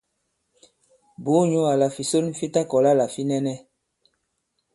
Bùu nyǔ àlà fìson fi ta-kɔ̀la là fi nɛnɛ.